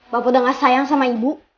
bapak udah gak sayang sama ibu